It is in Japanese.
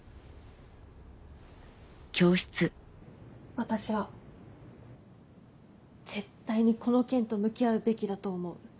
私は絶対にこの件と向き合うべきだと思う。